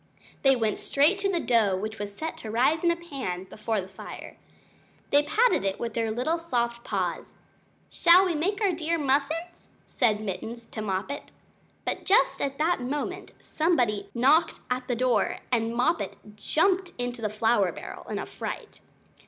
They went straight to the dough which was set to rise in a pan before the fire. They patted it with their little soft paws "Shall we make dear little muffins?" said Mittens to Moppet. But just at that moment somebody knocked at the front door, and Moppet jumped into the flour barrel in a fright.